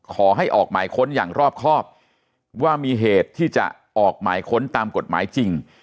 ขอให้ออกหมายค้นอย่างรอบครอบว่ามีเหตุที่จะออกหมายค้นตามกฎหมายจริง